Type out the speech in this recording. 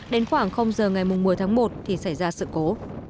đến khoảng giờ ngày một mươi tháng một thì xảy ra sự cố